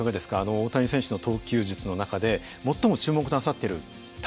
大谷選手の投球術の中で最も注目なさってる球。